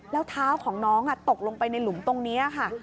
แล้วเท้าของน้องตกลงไปในหลุมตรงนี้ค่ะ